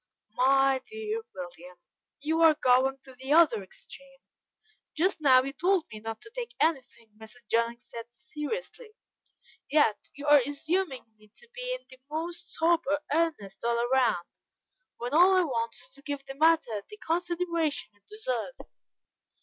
"My dear William, you are going to the other extreme. Just now, you told me not to take anything Mrs. Jennings said seriously, yet you are assuming me to be in the most sober earnest all round, when all I want is to give the matter the consideration it deserves.